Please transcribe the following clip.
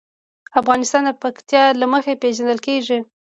افغانستان د پکتیا له مخې پېژندل کېږي.